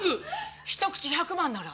１口１００万なら。